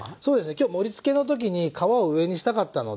今日盛りつけの時に皮を上にしたかったので。